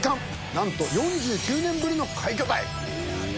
なんと４９年ぶりの快挙たい！